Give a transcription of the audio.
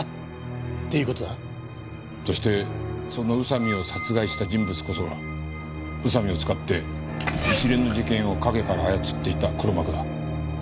そしてその宇佐美を殺害した人物こそが宇佐美を使って一連の事件を陰から操っていた黒幕だ。